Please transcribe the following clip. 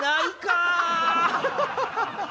ハハハハ！